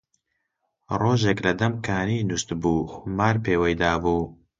ڕۆژێک لە دەم کانی نوستبوو، مار پێوەی دابوو